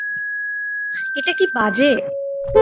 এটা কি বাজে?